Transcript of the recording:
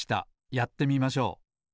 やってみましょう。